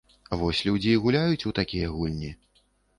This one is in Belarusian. Вось людзі і гуляюць у такія гульні.